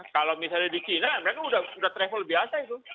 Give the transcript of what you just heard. kalau misalnya di china mereka sudah travel biasa itu